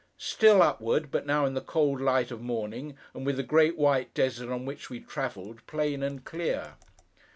Still upward, but now in the cold light of morning, and with the great white desert on which we travelled, plain and clear.